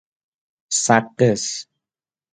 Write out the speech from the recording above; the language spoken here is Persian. سقز